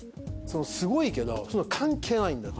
すごいけどそんなの関係ないんだと。